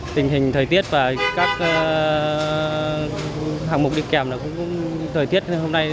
tình hình thời tiết và các hạng mục đi kèm là cũng thời tiết hôm nay